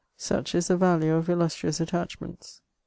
Such is the value of illustrious attachments.